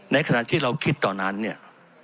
ขณะที่เราคิดตอนนั้นเนี่ย